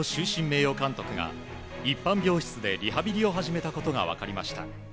名誉監督が一般病室でリハビリを始めたことが分かりました。